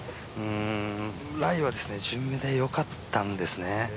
ライは順目でよかったんですね。